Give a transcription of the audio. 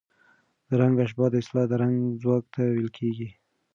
د رنګ اشباع اصطلاح د رنګ ځواک ته ویل کېږي.